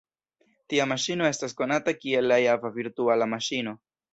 Tia maŝino estas konata kiel la Java Virtuala Maŝino.